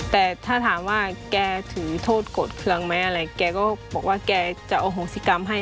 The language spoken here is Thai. แต่ถ้าถามว่าแกถือโทษโกรธเครื่องไหมอะไรแกก็บอกว่าแกจะอโหสิกรรมให้